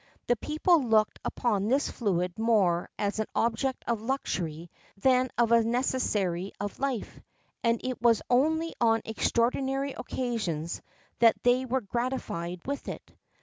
The people looked upon this fluid more as an object of luxury than a necessary of life, and it was only on extraordinary occasions that they were gratified with it.